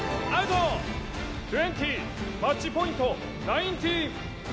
トゥエンティマッチポイントナインティーン。